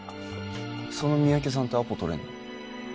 その三宅さんとアポ取れんの？